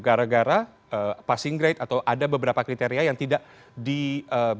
gara gara passing grade atau ada beberapa kriteria yang tidak diberikan